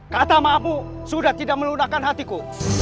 kata maafu sudah tidak melunakan hatiku